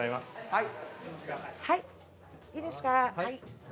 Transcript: はい。